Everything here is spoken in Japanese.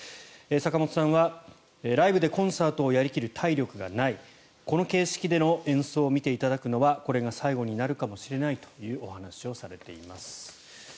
坂本さんはライブでコンサートをやり切る体力がないこの形式での演奏を見ていただくのはこれが最後になるかもしれないというお話をされています。